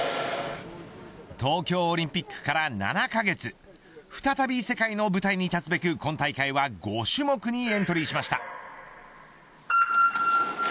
東京オリンピックから７カ月再び世界の舞台に立つべく今大会は５種目にエントリーしました。